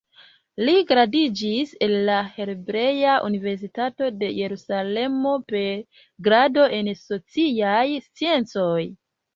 Li gradiĝis el la Hebrea Universitato de Jerusalemo per grado en sociaj sciencoj.